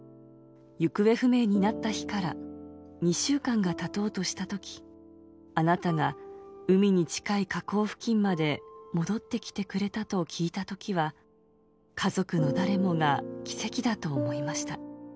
行方不明になった日から２週間がたとうとしたとき、あなたが海に近い河口付近まで戻ってきてくれたと聞いたときは、家族の誰もが奇跡だと思いました。